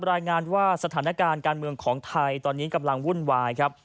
รายงานว่าสถานการณ์การเมืองของไทยตอนนี้กำลังวุ่นวายครับ